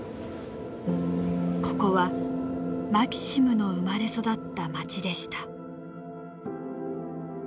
ここはマキシムの生まれ育った町でした。